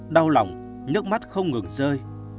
đau lòng nhớt mắt không ngừng rơi